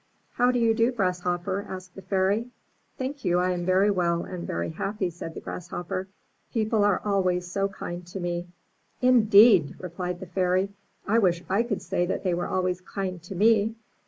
''How do you do. Grasshopper?'' asked the Fairy. *'Thank you, I am very well and very happy," said the Grasshopper. 'Teople are always so kind to me." 'Indeed!" replied the Fairy. '1 wish I could say that they were always kind to me.